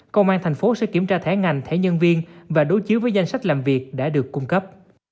công an thành phố sẽ kiểm tra thẻ ngành thẻ nhân viên và đối chiếu với danh sách làm việc đã được cung cấp